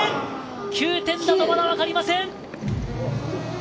９点だとまだわかりません。